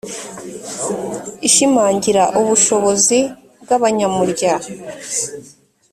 ishimangira ubushobozi bw abanyamurya